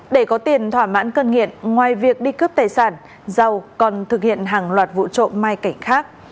để có tiền thỏa mãn cân nghiện ngoài việc đi cướp tài sản giàu còn thực hiện hàng loạt vụ trộm mai cảnh khác